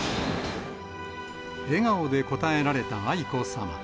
笑顔で応えられた愛子さま。